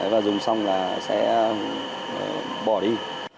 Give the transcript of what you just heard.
và dùng xong là sẽ bỏ đi